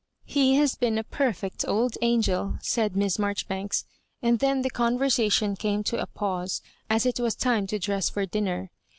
" He has been a perfect old angel," said Miss Marjoribanks; and then the conversation came to a pause, as it was time to dress for dinner.